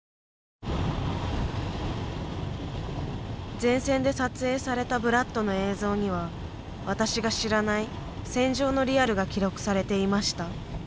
前線で撮影されたブラッドの映像には私が知らない戦場のリアルが記録されていました。